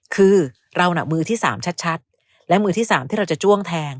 คือเราน่ะมือที่๓ชัดและมือที่๓ที่เราจะจ้วงแทง